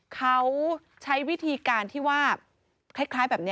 เขาใช้วิธีการที่ว่าคล้ายแบบนี้